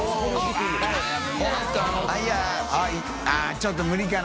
ちょっと無理かな？